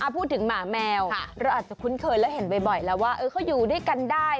พูดถึงหมาแมวเราอาจจะคุ้นเคยแล้วเห็นบ่อยแล้วว่าเขาอยู่ด้วยกันได้